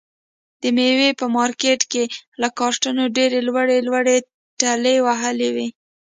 د مېوې په مارکېټ کې یې له کارتنو ډېرې لوړې لوړې ټلې وهلې وي.